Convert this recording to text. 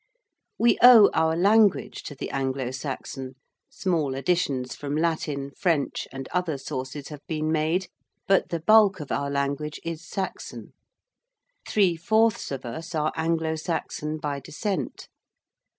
We owe our language to the Anglo Saxon, small additions from Latin, French, and other sources have been made, but the bulk of our language is Saxon. Three fourths of us are Anglo Saxon by descent.